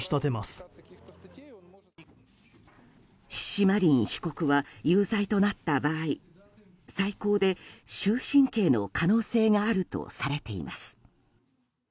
シシマリン被告は有罪となった場合最高で終身刑の可能性があるとされています。